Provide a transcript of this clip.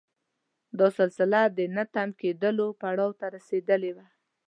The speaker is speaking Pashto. دا سلسله د نه تم کېدلو پړاو ته رسېدلې وه.